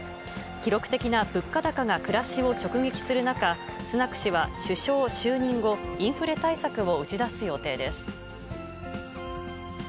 記録的な物価高が暮らしを直撃する中、スナク氏は首相就任後、インフレ対策を打ち出す予定です。